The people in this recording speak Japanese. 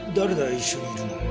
一緒にいるの。